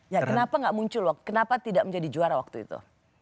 ya kenapa nggak muncul loh kenapa tidak menjadi juara waktu itu